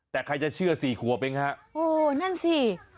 แต่ใครจะเชื่อสี่ขวบเองฮะโอ้นั่นสิ